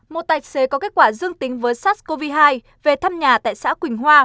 một tài xế có kết quả dương tính với sars cov hai về thăm nhà tại xã quỳnh hoa